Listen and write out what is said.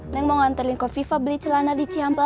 neng mau nganterin ke viva beli celana di cian plus